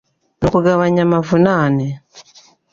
ni ukugabanya amavunane